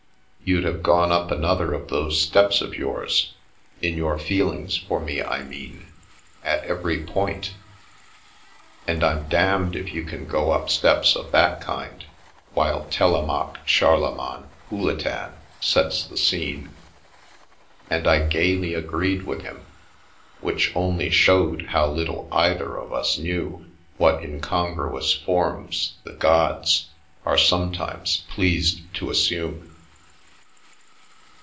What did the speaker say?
You'd have gone up another of those steps of yours — in your feelings for me, I mean — at every point And I'm damned if you can go up steps of that kind while Telemaque Charlemagne Pouletin sets the scene.* And I gaily agreed with him, which only showed how little either of us knew what incongruous forms the gods are sometimes pleased to assume.